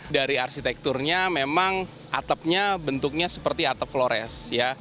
dari arsitekturnya memang atapnya bentuknya seperti atap flores